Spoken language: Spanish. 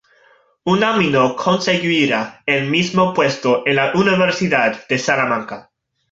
Unamuno conseguiría el mismo puesto en la Universidad de Salamanca.